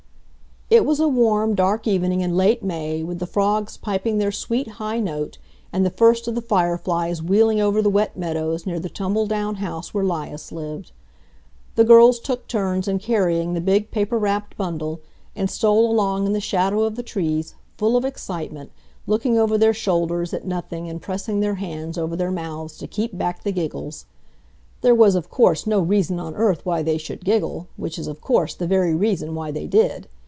It was a warm, dark evening in late May, with the frogs piping their sweet, high note, and the first of the fireflies wheeling over the wet meadows near the tumble down house where 'Lias lived. The girls took turns in carrying the big paper wrapped bundle, and stole along in the shadow of the trees, full of excitement, looking over their shoulders at nothing and pressing their hands over their mouths to keep back the giggles. There was, of course, no reason on earth why they should giggle, which is, of course, the very reason why they did.